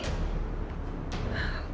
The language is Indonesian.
sampai papa jadi sedih